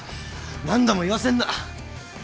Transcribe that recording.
何度も言わせんな。